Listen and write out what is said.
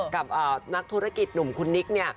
กับนักธุรกิจหนุ่มคุณนิกเนี่ย